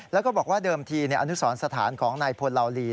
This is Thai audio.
แล้วก็บอกว่าเดิมทีอนุสรสถานของนายพลลาวลี